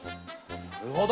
なるほど！